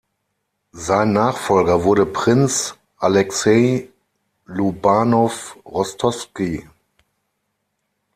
Sein Nachfolger wurde Prinz Alexei Lobanow-Rostowski.